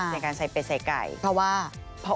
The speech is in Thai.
ในการใส่เป็ดให้ใก่